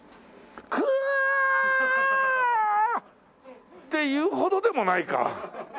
クワーッ！っていうほどでもないか。